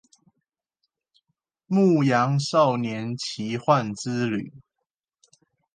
牧羊少年奇幻之旅